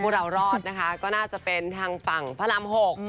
เรารอดนะคะก็น่าจะเป็นทางฝั่งพระราม๖